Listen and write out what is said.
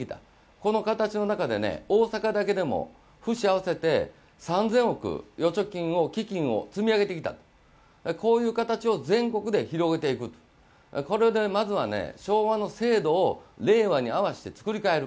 この形の中で、大阪だけでも、府と市あわせて３０００億預貯金、基金を組み上げてきた、こういう形で全国に広げていくこれでまずは昭和の制度を令和に合わせて作りかえる。